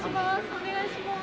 お願いします。